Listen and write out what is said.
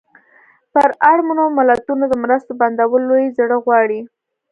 پر اړمنو ملتونو د مرستو بندول لوی زړه غواړي.